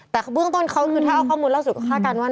แต่เบื้องต้นเขาคือถ้าเอาข้อมูลล่าสุดก็คาดการณ์ว่า